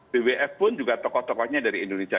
bwf pun juga tokoh tokohnya dari indonesia